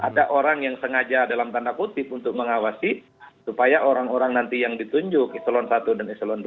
ada orang yang sengaja dalam tanda kutip untuk mengawasi supaya orang orang nanti yang ditunjuk eselon satu dan eselon dua